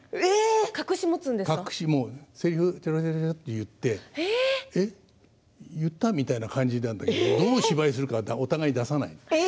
隠し持ってちょこちょこなんか言って言ったみたいな感じなんだけどお芝居するかお互い出さない。